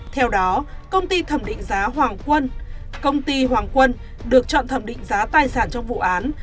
theo đó công ty thẩm định giá hoàng quân công ty hoàng quân được chọn thẩm định giá tài sản trong vụ án